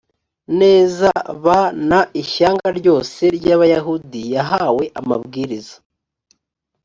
neza b n ishyanga ryose ry abayahudi yahawe amabwiriza